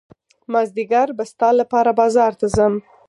مازدیګر به ستا لپاره بازار ته ځم.